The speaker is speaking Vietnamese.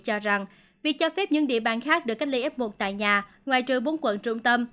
cho rằng việc cho phép những địa bàn khác được cách ly f một tại nhà ngoài trời bốn quận trung tâm